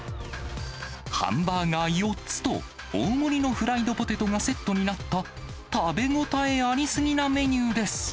ハンバーガー４つと、大盛りのフライドポテトがセットになった食べ応えありすぎなメニューです。